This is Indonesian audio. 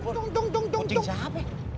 kucing siapa ya